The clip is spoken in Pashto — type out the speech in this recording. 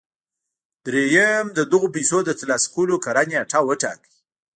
درېيم د دغو پيسو د ترلاسه کولو کره نېټه وټاکئ.